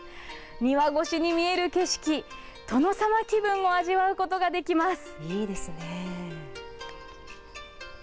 庭越しに見える景色殿様気分を味わうことができます。